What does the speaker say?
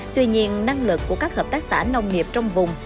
tuy nhiên năng lực của các hợp tác xã nông nghiệp trong vùng